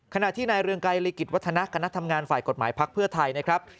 ขณะที่ในเรื่องไกลลิกิจวัฒนาการทำงานฝ่ายกฎหมายพักเพื่อไทย